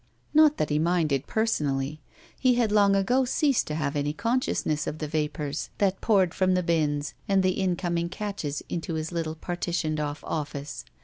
Not that he minded personally. He had long ago ceased to have any consciousness of the vapors that poured from the bins and the incoming catches into his little partitioned oflF oflBce.